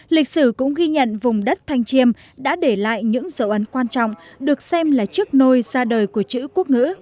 lịch sử cũng ghi nhận vùng đất thanh chiêm đã để lại những dấu ấn quan trọng được xem là chiếc nôi ra đời của chữ quốc ngữ